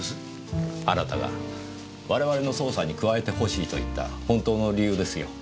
あなたが我々の捜査に加えてほしいと言った本当の理由ですよ。